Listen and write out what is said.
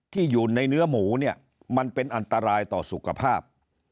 ที่อยู่ในเนื้อหมูเนี่ยมันเป็นอันตรายต่อสุขภาพ